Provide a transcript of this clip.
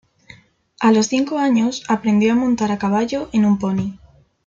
A los cinco años, aprendió a montar a caballo en un pony.